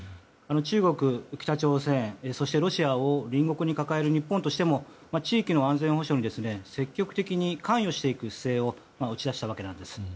中国、北朝鮮、そしてロシアを隣国に抱える日本としても地域の安全保障に積極的に関与していく姿勢を打ち出したわけです。